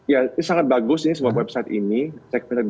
ya ini sangat bagus semua website ini cekfintech id